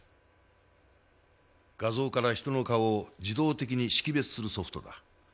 画像から人の顔を自動的に識別するソフトだ。